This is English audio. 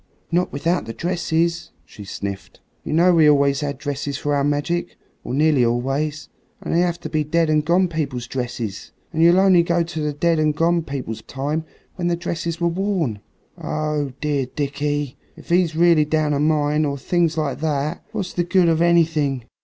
"Not without the dresses," she sniffed. "You know we always had dresses for our magic, or nearly always; and they have to be dead and gone people's dresses, and you'll only go to the dead and gone people's time when the dresses were worn. Oh! dear Dickie, and if he's really down a mine, or things like that, what's the good of anything?"